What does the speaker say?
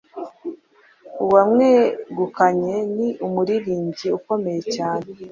uwamwegukanye ni umuririmbyi ukomeye cyane